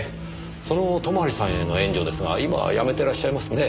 その泊さんへの援助ですが今はやめてらっしゃいますね？